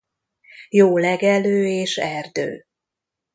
Jó legelő és erdő.